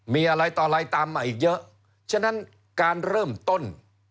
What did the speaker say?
มีอะไรต่ออะไรตามมาอีกเยอะฉะนั้นการเริ่มต้น